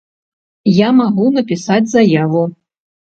Я магу напісаць заяву.